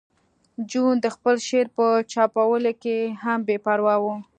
جون د خپل شعر په چاپولو کې هم بې پروا و